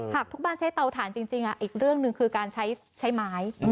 หากทุกบ้านใช้เตาถ่านจริงอีกเรื่องหนึ่งคือการใช้ไม้